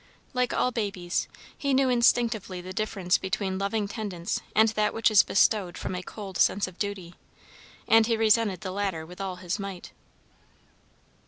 Like all babies, he knew instinctively the difference between loving tendance and that which is bestowed from a cold sense of duty, and he resented the latter with all his might.